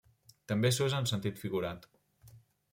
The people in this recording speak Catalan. També s’usa en sentit figurat: